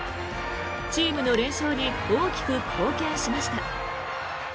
チームの連勝に大きく貢献しました。